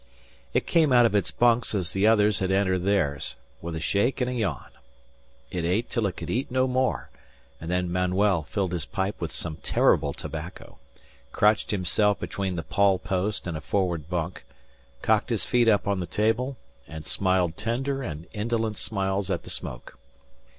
It came out of its bunks as the others had entered theirs, with a shake and a yawn. It ate till it could eat no more; and then Manuel filled his pipe with some terrible tobacco, crotched himself between the pawl post and a forward bunk, cocked his feet up on the table, and smiled tender and indolent smiles at the smoke.